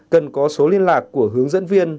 cần có số liên lạc của hướng dẫn viên